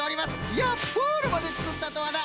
いやプールまでつくったとはな！